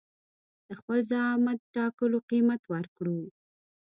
د خپل زعامت ټاکلو قيمت ورکړو.